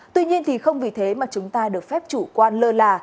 tuy nhiên thì không vì thế mà chúng ta được phép chủ quan lơ là